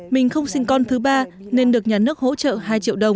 mình không sinh con thứ ba nên được nhà nước hỗ trợ hai triệu đồng